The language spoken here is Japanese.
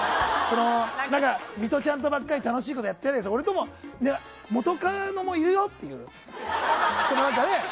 ミトちゃんとばっかり楽しいことやってないで俺とも元カノもいるよっていう。